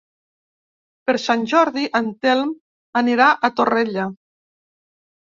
Per Sant Jordi en Telm anirà a Torrella.